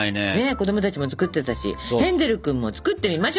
子供たちも作ってたしヘンゼル君も作ってみましょう！